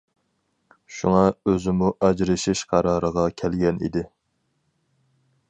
شۇڭا ئۆزىمۇ ئاجرىشىش قارارىغا كەلگەن ئىدى.